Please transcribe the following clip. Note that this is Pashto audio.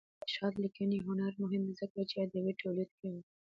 د علامه رشاد لیکنی هنر مهم دی ځکه چې ادبي تولید کوي.